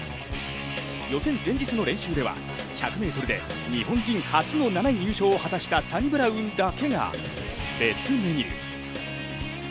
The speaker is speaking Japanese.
予選前日の練習では、１００ｍで日本人初の７位入賞を果たしたサニブラウンだけが別メニュー。